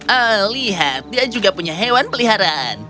ah lihat dia juga punya hewan peliharaan